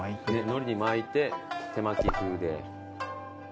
のりに巻いて手巻き風で。